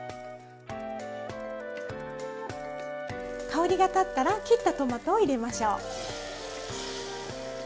香りが立ったら切ったトマトを入れましょう。